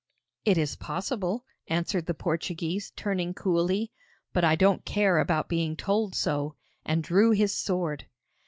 'It is possible,' answered the Portuguese, turning coolly; 'but I don't care about being told so,' and drew his sword.